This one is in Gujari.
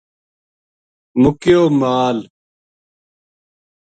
مُکیو مال